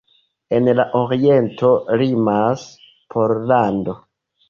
En la oriento limas Pollando.